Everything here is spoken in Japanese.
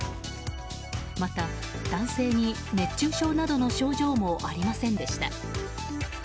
また、男性に熱中症などの症状もありませんでした。